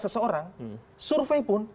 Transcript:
seseorang survei pun